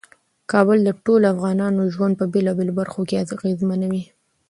کابل د ټولو افغانانو ژوند په بیلابیلو برخو کې اغیزمنوي.